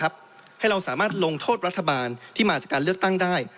ให้เราสามารถลงโทษรัฐบาลที่มาจากการเลือกตั้งได้